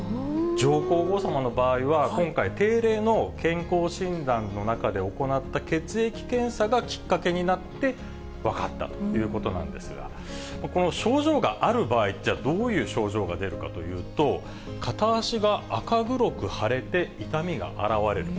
上皇后さまの場合は、今回、定例の健康診断の中で行った血液検査がきっかけになって、分かったということなんですが、この症状がある場合って、じゃあ、どういう症状が出るかというと、片足が赤黒く腫れて、痛みが現れる。